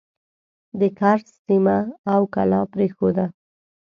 د کرز سیمه او کلا پرېښوده.